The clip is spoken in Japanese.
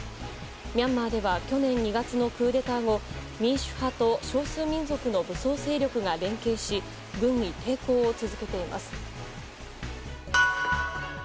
ミャンマーでは去年２月のクーデター後民主派と少数民族の武装勢力が連携し軍に抵抗を続けています。